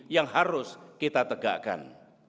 yang harus kita tegakkan